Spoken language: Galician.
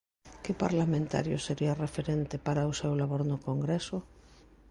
Que parlamentario sería referente para o seu labor no Congreso?